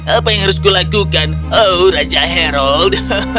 apa yang harus kulakukan raja harold